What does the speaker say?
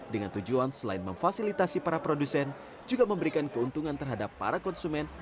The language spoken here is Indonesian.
dengan tujuan selain memfasilitasi para produsen juga memberikan keuntungan terhadap para konsumen